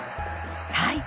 はい。